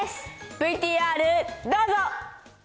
ＶＴＲどうぞ。